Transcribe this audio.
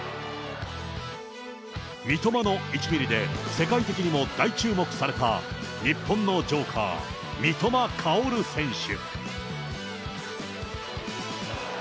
三笘の１ミリで世界的にも大注目された日本のジョーカー、三笘薫選手。